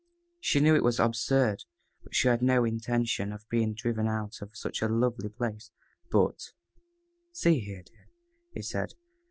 She knew it was absurd. She had no intention of being driven out of such a lovely place BUT "See here, dear," he said.